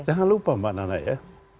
jangan lupa mbak nana ya